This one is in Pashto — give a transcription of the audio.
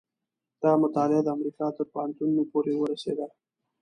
دا مطالعه د امریکا تر پوهنتونونو پورې ورسېده.